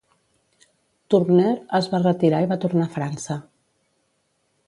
Tourneur es va retirar i va tornar a França.